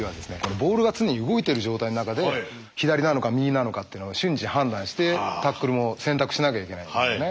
ボールが常に動いている状態の中で左なのか右なのかってのを瞬時判断してタックルを選択しなきゃいけないんですね。